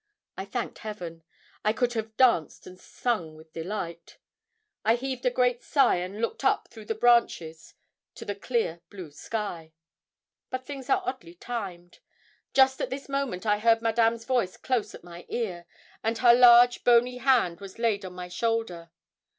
I thanked heaven; I could have danced and sung with delight; I heaved a great sigh and looked up through the branches to the clear blue sky. But things are oddly timed. Just at this moment I heard Madame's voice close at my ear, and her large bony hand was laid on my shoulder.